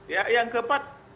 ya yang keempat